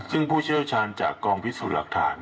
ซึ่งผู้เชี่ยวชาญจากกองพิสูจน์หลักฐาน